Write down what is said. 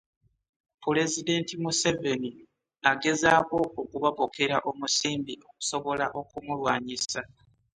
Pulezidenti Museveni agezaako okubapokera omusimbi okusobola okumulwanyisa